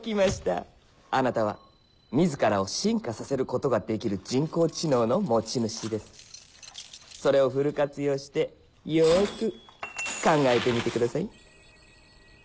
あなたは自らを進化させることができる人工知能の持ち主ですそれをフル活用してよーく考えてみてください